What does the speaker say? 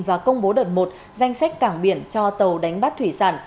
và công bố đợt một danh sách cảng biển cho tàu đánh bắt thủy sản